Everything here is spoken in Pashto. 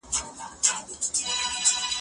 سياسي ګوندونو پخوا هم پر واکمنۍ نيوکي کړي وې.